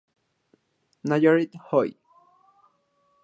Nayarit Hoy